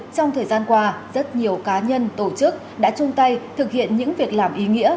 trong thời gian qua rất nhiều cá nhân tổ chức đã chung tay thực hiện những việc làm ý nghĩa